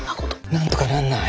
なんとかなんない？